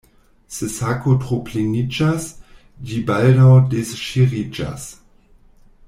Se sako tro pleniĝas, ĝi baldaŭ disŝiriĝas.